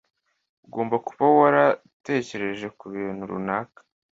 Ugomba kuba waratekereje kubintu runaka.